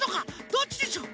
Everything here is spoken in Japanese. どっちでしょう？